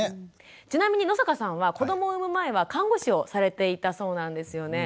ちなみに野坂さんは子どもを産む前は看護師をされていたそうなんですよね。